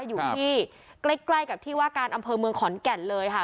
อยู่ที่ใกล้กับที่ว่าการอำเภอเมืองขอนแก่นเลยค่ะ